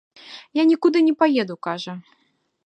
Я нікуды не паеду, кажа.